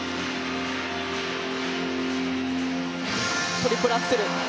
トリプルアクセル。